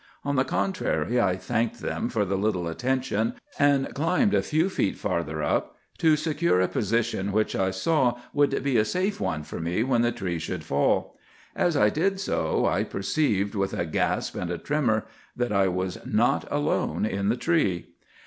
On the contrary, I thanked them for the little attention, and climbed a few feet farther up, to secure a position which I saw would be a safe one for me when the tree should fall. As I did so, I perceived, with a gasp and a tremor, that I was not alone in the tree.